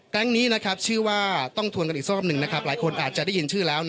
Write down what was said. แก๊งนี้ชื่อว่าต้องทวนกันอีกสักครั้งหนึ่งหลายคนอาจจะได้ยินชื่อแล้ว